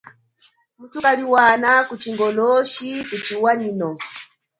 Muthu kaliwana ku chingoloshi kuchiwanyino.